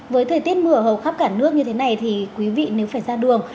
với thời tiết mưa hầu khắp cả nước như thế này quý vị nếu phải ra đường